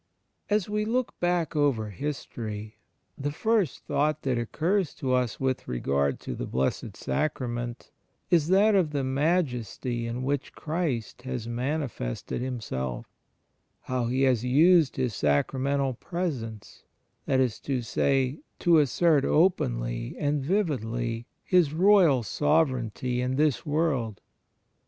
As we look back over history, the first thought that occurs to us with regard to the Blessed Sacrament is that of the Majesty in which Christ has manifested Himself — how He has used His Sacramental Presence, that is to say, to assert openly and vividly His Royal Sovereignty in this world.